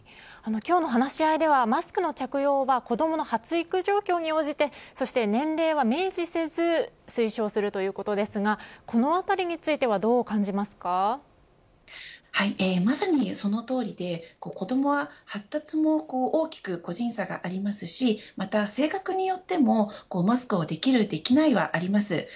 今日の話し合いではマスクの着用は子ども発育状況に応じてそして年齢は明示せず推奨するということですがこのあたりについてはまさに、そのとおりで子どもは発達も大きく個人差がありますしまた性格によってもマスクをできるできないはあります。